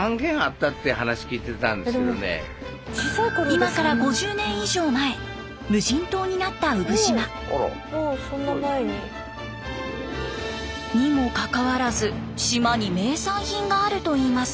今から５０年以上前無人島になった産島。にもかかわらず島に名産品があるといいます。